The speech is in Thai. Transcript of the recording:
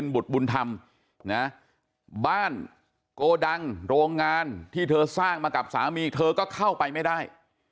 บ้านโกดังโรงงานที่เธอสร้างมากับสามีเธอก็เข้าไปไม่ได้